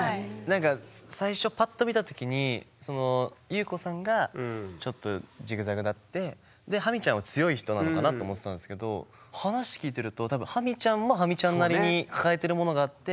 なんか最初パッと見たときにその裕子さんがちょっとジグザグなってでハミちゃんは強い人なのかなって思ってたんですけど話聞いてると多分ハミちゃんもハミちゃんなりに抱えてるものがあって。